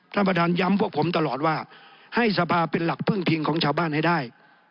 ท่านประธานย้ำพวกผมตลอดว่าให้สภาเป็นหลักพึ่งพิงของชาวบ้านให้ได้